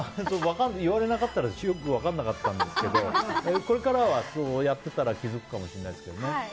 言われなかったら分かんなかったんですけどこれからは、やってたら気づくかもしれないですけどね。